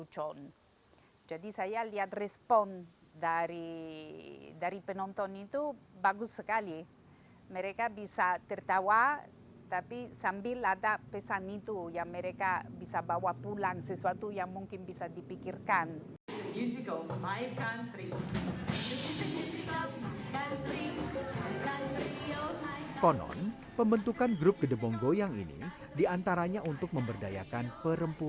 cuma saya sempat kepikiran dulu